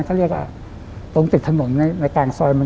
ตรงติดถนนในกลางซอย